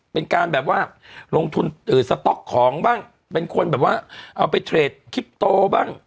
เป็นการแบบว่าลงทุนสต๊อกของบ้างเป็นคนแบบว่าเอาไปเทรดคลิปโตบ้าง